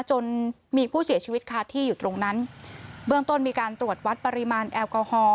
จนมีผู้เสียชีวิตคาที่อยู่ตรงนั้นเบื้องต้นมีการตรวจวัดปริมาณแอลกอฮอล